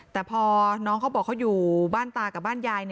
แต่พอน้องเขาบอกเขาอยู่บ้านตากับบ้านยาย